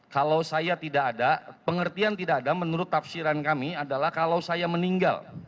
kalau saya tidak ada pengertian tidak ada menurut tafsiran kami adalah kalau saya meninggal